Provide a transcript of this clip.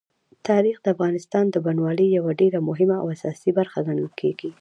تاریخ د افغانستان د بڼوالۍ یوه ډېره مهمه او اساسي برخه ګڼل کېږي.